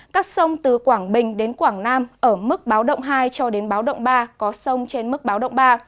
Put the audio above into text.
các sông từ quảng bình đến quảng nam ở mức báo động hai cho đến báo động ba có sông trên mức báo động ba